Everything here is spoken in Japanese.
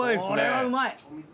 これはうまい！